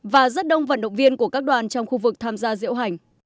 và rất đông vận động viên của các đoàn trong khu vực tham gia diễu hành